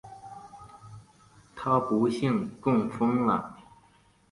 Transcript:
她不幸中风了